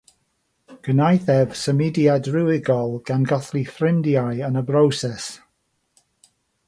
Gwnaeth ef symudiad rhwygol gan golli ffrindiau yn y broses.